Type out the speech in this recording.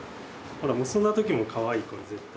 ほら結んだ時もかわいいこれ絶対。